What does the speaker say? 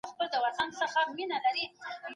که سياست مشرتوب وکړي اړودوړ به کم سي.